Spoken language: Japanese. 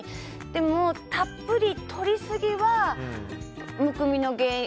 でも、たっぷりとりすぎはむくみの原因。